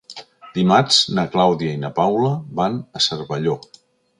Dimarts na Clàudia i na Paula van a Cervelló.